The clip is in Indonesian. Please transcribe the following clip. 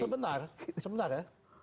sebentar sebentar ya